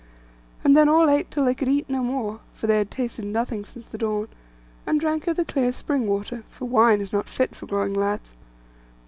And then all ate till they could eat no more (for they had tasted nothing since the dawn), and drank of the clear spring water, for wine is not fit for growing lads.